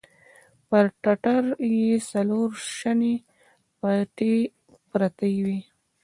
پر ټټر يې څلور شنې پټې پرتې وې.